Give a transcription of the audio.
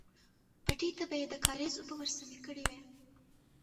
پټي ته به يې د کاريز اوبه ورسمې کړې وې.